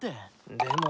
でも。